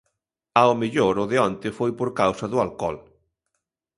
Ao mellor o de onte foi por causa do alcohol